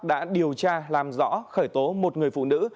đã điều tra làm rõ khởi tố một người phụ nữ